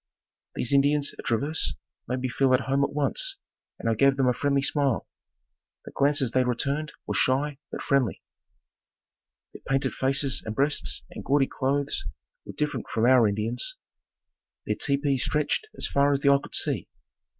These Indians at Traverse made me feel at home at once and I gave them a friendly smile. The glances they returned were shy, but friendly. Their painted faces and breasts and gaudy clothes were different from our Indians. Their tepees stretched as far as the eye could see.